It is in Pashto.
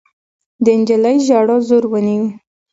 د نجلۍ ژړا زور ونيو.